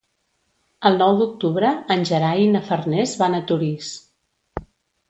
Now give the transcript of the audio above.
El nou d'octubre en Gerai i na Farners van a Torís.